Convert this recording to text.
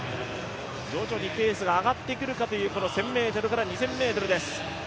徐々にペースが上がってくるかというこの１０００ｍから２０００ｍです。